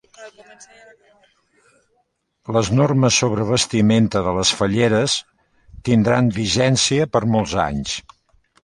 Les normes sobre vestimenta de les falleres tindran vigència per molts anys